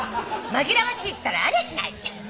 「紛らわしいったらありゃしない」